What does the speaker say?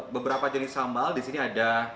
beberapa jenis sambal di sini ada